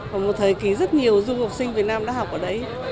khoảng một thời kỳ rất nhiều du học sinh việt nam đã học ở đấy